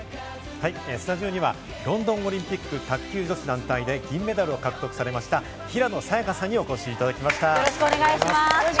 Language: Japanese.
スタジオにはロンドンオリンピック卓球女子団体で銀メダルを獲得されました平野早矢香さんにお越しいただきました。